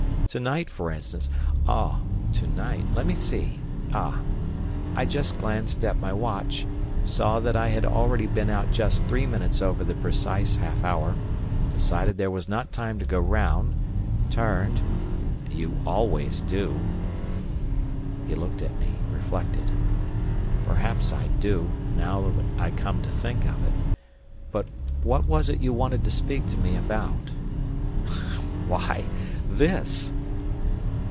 To night for instance—" "Oh! to night! Let me see. Ah! I just glanced at my watch, saw that I had already been out just three minutes over the precise half hour, decided there was not time to go round, turned—" "You always do." He looked at me—reflected. "Perhaps I do, now I come to think of it. But what was it you wanted to speak to me about?" "Why, this!"